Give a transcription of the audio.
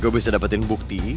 gue bisa dapetin bukti